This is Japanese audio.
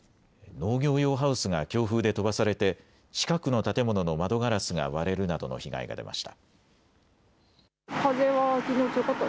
農業用ハウスが強風で飛ばされて近くの建物の窓ガラスが割れるなどの被害が出ました。